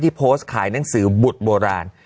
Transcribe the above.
โพสต์ขายหนังสือบุตรโบราณ